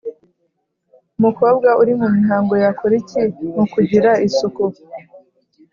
Umukobwa uri mu mihango yakora iki mu kugira isuku?